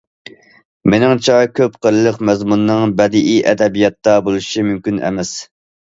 مېنىڭچە كۆپ قىرلىق مەزمۇننىڭ بەدىئىي ئەدەبىياتتا بولۇشى مۇمكىن ئەمەس.